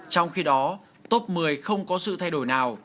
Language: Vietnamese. trong khi đó top một mươi không có sự thay đổi nào